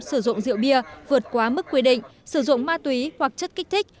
sử dụng rượu bia vượt quá mức quy định sử dụng ma túy hoặc chất kích thích